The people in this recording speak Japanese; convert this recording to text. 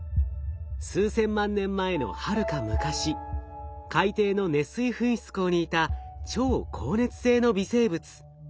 数千万年前のはるか昔海底の熱水噴出孔にいた超好熱性の微生物。